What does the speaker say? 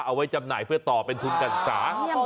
เอาไว้จำหน่ายเพื่อต่อเป็นทุนการศึกษา